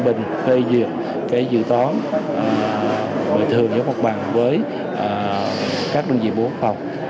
tình khơi duyệt dự tón bởi thường giống mặt bằng với các đơn vị bộ quốc phòng